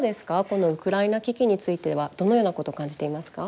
このウクライナ危機についてはどのようなことを感じていますか？